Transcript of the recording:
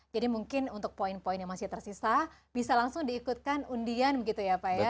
jadi mungkin untuk poin poin yang masih tersisa bisa langsung diikutkan undian begitu ya pak ya